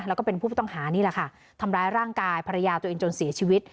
แล้วก็เป็นผู้ต้องหานี่แหละค่ะทำร้ายร่างกายภรรยาตัวเองจนเสียชีวิต